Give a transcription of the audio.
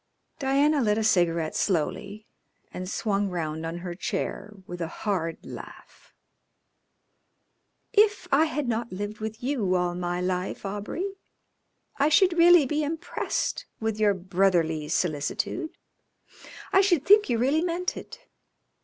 Diana lit a cigarette slowly, and swung round on her chair with a hard laugh. "If I had not lived with you all my life, Aubrey, I should really be impressed with your brotherly solicitude; I should think you really meant it.